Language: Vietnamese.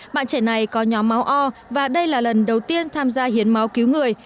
bạn trẻ này có nhóm máu o và đây là lần đầu tiên tham gia hiến máu cứu người